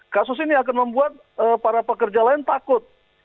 kasus ini akan membuat para pekerja lain takut